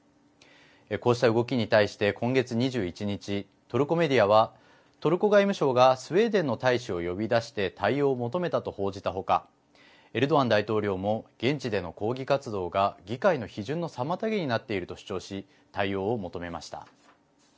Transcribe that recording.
こうした動きに対して今月２１日トルコメディアはトルコ外務省がスウェーデンの大使を呼び出して対応を求めたと報じた他エルドアン大統領も現地での抗議活動が議会の批准の妨げになっていると主張し、対応を求めました。